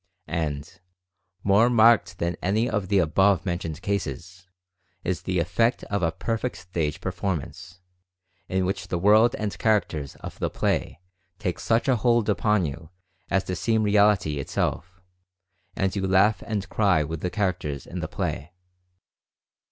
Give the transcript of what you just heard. And, more marked than any of the above mentioned cases, is the effect of a perfect stage per formance, in which the world and characters of the play take such a hold upon you as to seem reality it self, and you laugh and cry with the characters in the play.